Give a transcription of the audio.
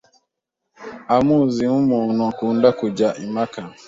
amuzi nk'umuntu ukunda kujya impaka